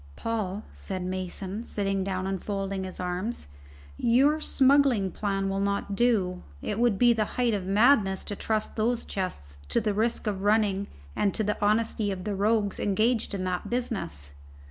"Paul," said Mason, sitting down and folding his arms, "your smuggling plan will not do. It would be the height of madness to trust those chests to the risks of running and to the honesty of the rogues engaged in that business."